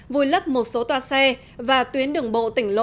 vùi lấp một số toa xe và tuyến đường bộ tỉnh lộ một trăm sáu mươi bốn